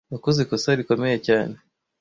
Wakoze ikosa rikomeye cyane.